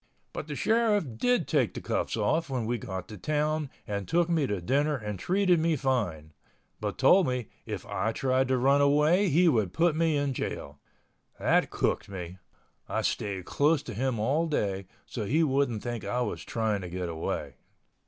But the sheriff did take the cuffs off when we got to town and took me to dinner and treated me fine, but told me if I tried to run away he would put me in jail. That cooked me ... I stayed close to him all day so he wouldn't think I was trying to get away.